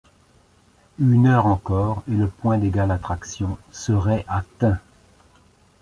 Une heure encore, et le point d’égale attraction serait atteint.